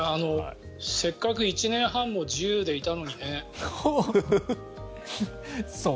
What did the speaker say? せっかく１年半も自由でいたのにね。